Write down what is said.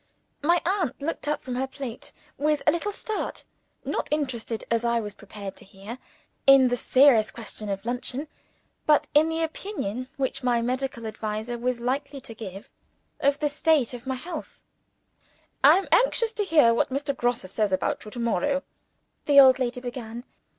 My aunt looked up from her plate with a little start not interested, as I was prepared to hear, in the serious question of luncheon, but in the opinion which my medical adviser was likely to give of the state of my health. "I am anxious to hear what Mr. Grosse says about you to morrow," the old lady began.